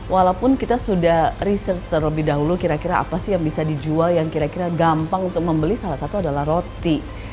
walaupun kita sudah research terlebih dahulu kira kira apa sih yang bisa dijual yang kira kira gampang untuk membeli salah satu adalah roti